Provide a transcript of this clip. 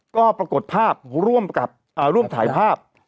ก็ปรากฏภาพร่วมถ่ายภาพ